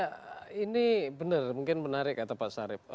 ya ini benar mungkin menarik ya pak sarif